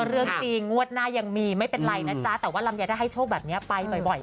เรื่องจริงงวดหน้ายังมีไม่เป็นไรนะจ๊ะแต่ว่าลำไยถ้าให้โชคแบบนี้ไปบ่อย